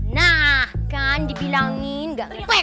nah kan dibilangin gak ngerepek